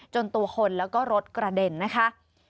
ตัวคนแล้วก็รถกระเด็นนะคะ